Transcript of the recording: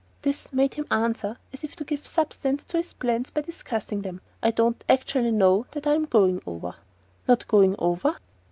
This made him answer, as if to give substance to his plans by discussing them: "I don't actually know that I'm going over." "Not going over?"